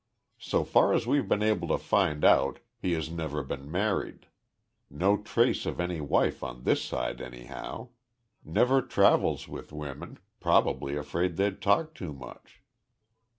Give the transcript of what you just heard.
So far as we've been able to find out he has never been married. No trace of any wife on this side, anyhow. Never travels with women probably afraid they'd talk too much."